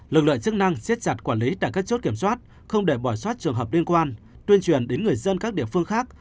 lực lượng chức năng siết chặt quản lý tại các chốt kiểm soát không để bỏ soát trường hợp liên quan tuyên truyền đến người dân các địa phương khác